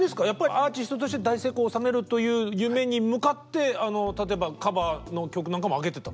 アーティストとして大成功を収めるという夢に向かって例えばカバーの曲なんかもあげてた？